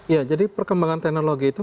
ya jadi perkembangan teknologi itu